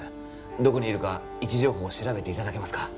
どこにいるか位置情報を調べていただけますか